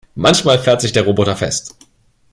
Manchmal fährt sich der Roboter fest.